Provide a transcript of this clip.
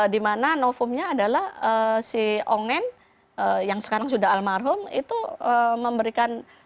dimana novumnya adalah si ongen yang sekarang sudah almarhum itu memberikan